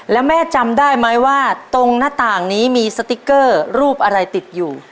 แล้วแม่จำได้ไหมว่าตรงหน้าต่างนี้มีสติ๊กเกอร์รูปอะไรติดอยู่